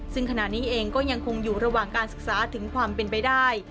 ซึ่งขณะนี้เองก็ยังคงอยู่ระหว่างการศึกษาถึงความเป็นไปได้